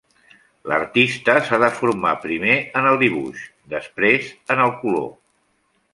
L'artista s'ha de formar, primer, en el dibuix, després en el color.